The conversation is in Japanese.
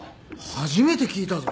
初めて聞いたぞ。